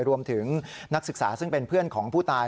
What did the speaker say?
รวมถึงนักศึกษาซึ่งเป็นเพื่อนของผู้ตาย